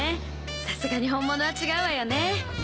さすがに本物は違うわよね。